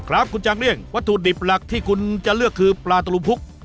ครับคุณจางเลี่ยงวัตถุดิบหลักที่คุณจะเลือกคือปลาตะลุมพุก